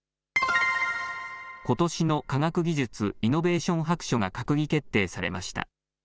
ことしの科学技術・イノベーション白書が閣議決定されました。